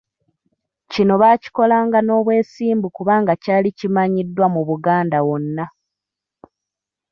Kino baakikolanga n'obwesimbu kubanga kyali kimanyiddwa mu Buganda wonna.